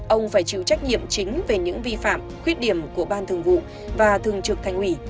ông phải chịu trách nhiệm chính về những vi phạm khuyết điểm của ban thường vụ và thường trực thành ủy